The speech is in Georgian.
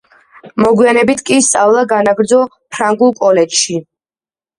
მოგვიანებით კი სწავლა განაგრძო ფრანგულ კოლეჯში.